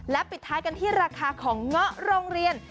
ปิดท้ายกันที่ราคาของเงาะโรงเรียน